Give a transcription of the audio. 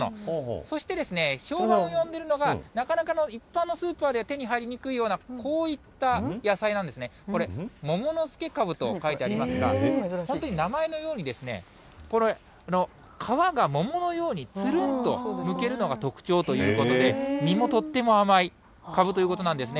そしてですね、評判を呼んでいるのが、なかなか一般のスーパーで手に入りにくいようなこういった野菜なんですね、これ、もものすけかぶと書いてありますが、本当に名前のように、これ、皮が桃のようにつるんとむけるのが特徴ということで、実もとっても甘いかぶということなんですね。